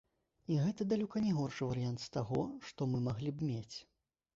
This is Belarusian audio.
І гэта далёка не горшы варыянт з таго, што мы маглі б мець.